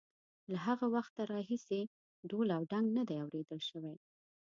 له هغه وخته راهیسې ډول او ډنګ نه دی اورېدل شوی.